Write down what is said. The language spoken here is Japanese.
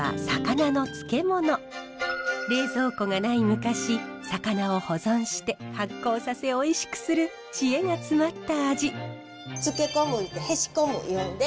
冷蔵庫がない昔魚を保存して発酵させおいしくする知恵が詰まった味。